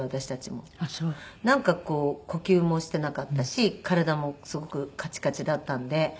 なんか呼吸もしてなかったし体もすごくカチカチだったんで。